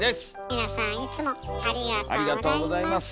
皆さんいつもありがとうございます。